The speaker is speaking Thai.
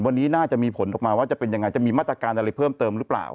วันนี้น่าจะมีผลออกมาว่าจะเป็นยังไงจะมีมาตรการอะไรเพิ่มเติมหรือเปล่า